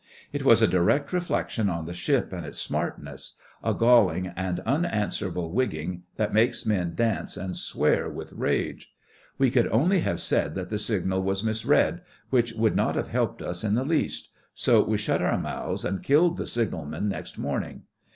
It was a direct reflection on the ship and its smartness; a galling and unanswerable wigging that makes men dance and swear with rage. We could only have said that the signal was misread, which would not have helped us in the least; so we shut our mouths and killed the signalman next morning.